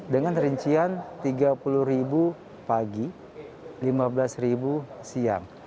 dengan rincian tiga puluh pagi lima belas siang